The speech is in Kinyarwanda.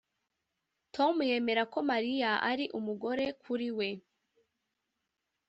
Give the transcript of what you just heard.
tom yemera ko mariya ari umugore kuri we.